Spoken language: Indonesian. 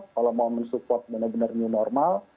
kalau mau men support benar benar new normal